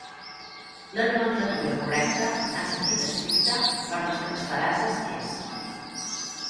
La nomenclatura correcta, en sentit estricte, per les transferases és.